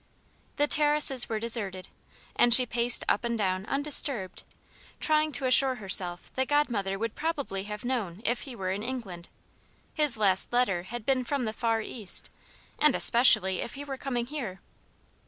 The terraces were deserted, and she paced up and down undisturbed, trying to assure herself that Godmother would probably have known if he were in England his last letter had been from the Far East and especially if he were coming here.